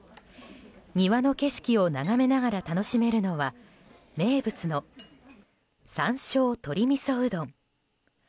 庭の景色を眺めながら楽しめるのは名物の山椒鶏みそうどん。